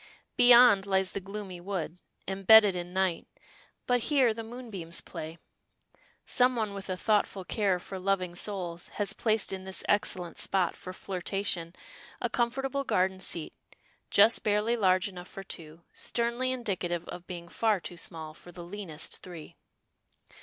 Beyond lies the gloomy wood, embedded in night, but here the moonbeams play. Some one with a thoughtful care for loving souls has placed in this excellent spot for flirtation a comfortable garden seat, just barely large enough for two, sternly indicative of being far too small far the leanest three.